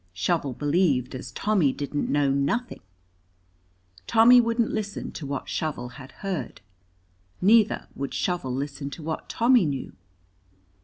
Shovel believed as Tommy didn't know nuthin. Tommy wouldn't listen to what Shovel had heard. Neither would Shovel listen to what Tommy knew.